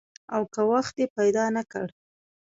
او که وخت دې پیدا نه کړ؟